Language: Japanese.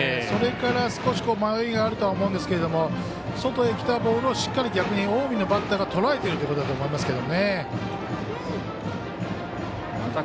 それから少し迷いがあるとは思うんですけど外にきたボールを近江のバッターがとらえているということだと思います。